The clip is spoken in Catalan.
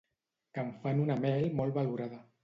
que en fan una mel molt valorada